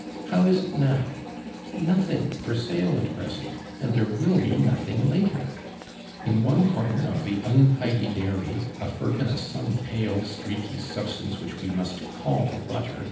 Ifow is it now ? Nothing for sale ut present, and there will lie nothing later ! In one corner of the untidy dairy, a firkin of some pale streaky substance which we must call but ter.